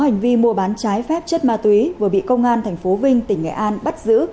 có hành vi mua bán trái phép chất ma túy vừa bị công an tp vinh tỉnh nghệ an bắt giữ